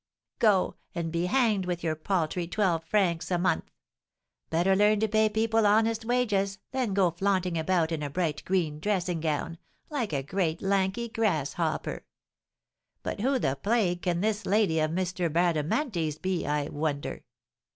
Go, and be hanged with your paltry twelve francs a month! Better learn to pay people honest wages, than go flaunting about in a bright green dressing gown, like a great lanky grasshopper! But who the plague can this lady of M. Bradamanti's be, I wonder?